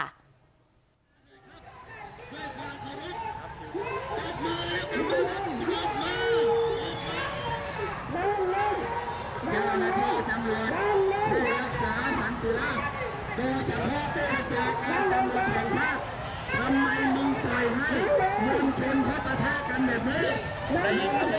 เพลงให้มั่นเคลก็ประทากันแบบนี้